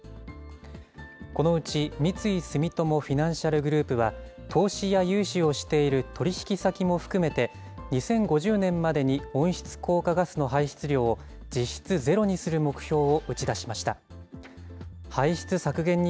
このうち三井住友フィナンシャルグループは投資や融資をしている取り引き先も含めて、２０５０年までに温室効果ガスの排出量を実質ゼロにする目標を打ち出しました。